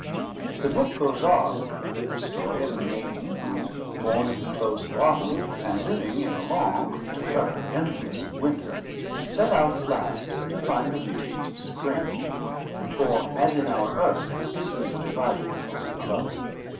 The book goes on with the story of a maiden, who, born at the close of autumn, and living in a long, to her endless winter, set out at last to find the regions of spring; for, as in our earth, the seasons are divided over the globe.